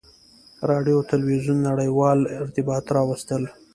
• راډیو او تلویزیون نړیوال ارتباطات راوستل.